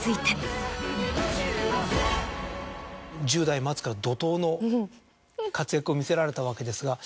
１０代末から怒濤の活躍を見せられたわけですが。